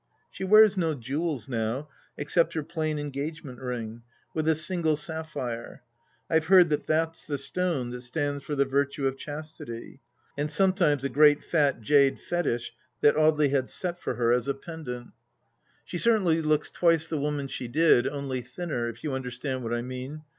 She wears no jewels now, except her plain engagement ring, with a single sapphire (I've heard that that's the stone that stands for the virtue of chastity), and sometimes the great fat jade fetish that Audely had set for her as a pendant. 180 TIIE LAST DITCH She certainly looks twice the woman she did, only thinner, if you understand what I mean.